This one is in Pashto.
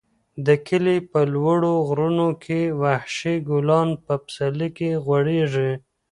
د کلي په لوړو غرونو کې وحشي ګلان په پسرلي کې غوړېږي.